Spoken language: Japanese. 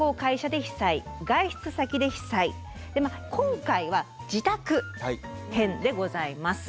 今回は自宅編でございます。